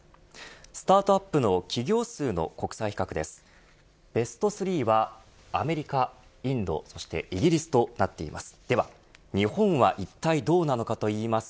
スタートアップの企業数の国際比較です。